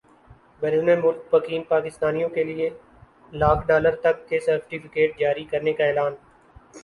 بیرون ملک مقیم پاکستانیوں کیلئے لاکھ ڈالر تک کے سرٹفکیٹ جاری کرنے کا اعلان